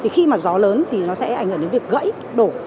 khi mà gió lớn thì nó sẽ ảnh hưởng đến việc gãy đổ